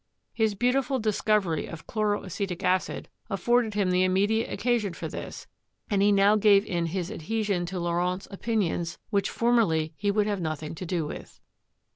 His beautiful discovery of "chloracetic acid" afforded him ORGANIC CHEMISTRY 233 the immediate occasion for this, and he now gave in his adhesion to Laurent's opinions, which formerly he would have nothing to do with.